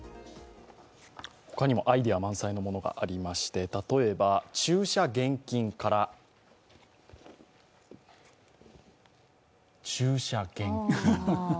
ほかにもアイデア満載のものがありまして、例えば「駐車厳禁」から注射減菌。